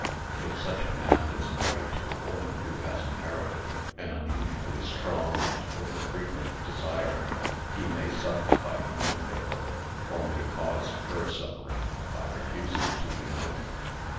If such a man is married to a woman who has inherited an unusually strong and over frequent desire, he may suffer by union with her, or may cause her suffering by refusing to unite.